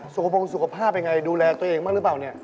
ส่วนของสภาพอย่างไรดูแลตัวเองมากหรือเปล่านี่